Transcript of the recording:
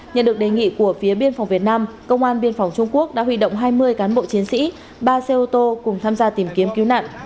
nhận được đề nghị của phía biên phòng việt nam công an biên phòng trung quốc đã huy động hai mươi cán bộ chiến sĩ ba xe ô tô cùng tham gia tìm kiếm cứu nạn